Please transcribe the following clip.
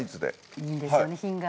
いいんですよね品があって。